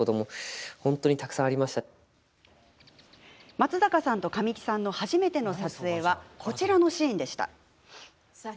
松坂さんと神木さんの初めての撮影は、こちらのシーン。